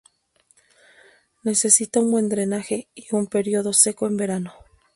Necesita un buen drenaje, y un período seco en verano.